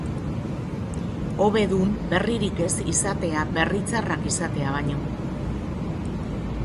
Hobe dun berririk ez izatea berri txarrak izatea baino.